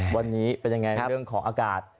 วันนี้เป็นยังไงเรื่องของอากาศ